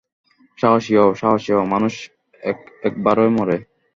সাহসী হও, সাহসী হও! মানুষ একবারই মরে।